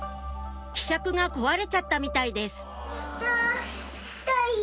ひしゃくが壊れちゃったみたいですじゃあ。